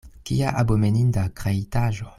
Kia abomeninda kreitaĵo!